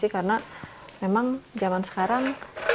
karena memang zaman sekarang